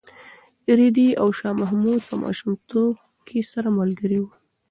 رېدي او شاه محمود په ماشومتوب کې سره ملګري وو.